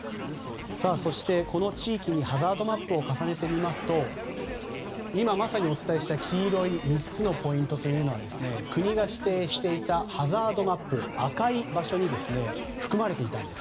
そして、この地域にハザードマップを重ねてみますと今まさにお伝えした黄色い３つのポイントというのが国が指定していたハザードマップ赤い場所に含まれていたんです。